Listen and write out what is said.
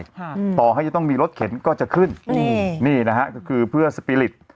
ค่ะต่อให้จะต้องมีรถเข็นก็จะขึ้นอืมนี่นะฮะก็คือเพื่อสปีริต